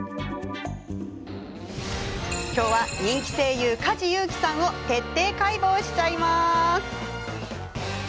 今日は人気声優、梶裕貴さんを徹底解剖しちゃいます。